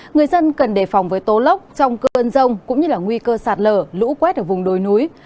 người dân cần đề phòng với tố lốc trong cơn rông cũng như là nguy cơ sạt lở lũ quét ở vùng đồi núi